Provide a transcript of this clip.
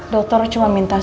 dokter cuma minta sama